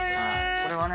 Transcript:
これはね。